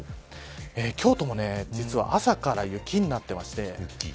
京都も実は朝から雪になっていまして。